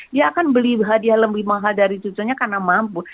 dia akan beli hadiah lebih mahal dari cucunya karena mampu